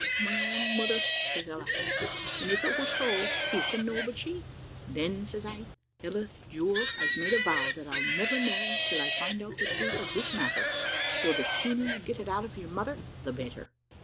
"`My own mother,' says Ella. `And if it were so, who can know but she?' "`Then,' says I, `Ella, jewel, I've made a vow that I'll never marry, till I find out the truth of this matter; so the sooner you get it out of your mother the better.'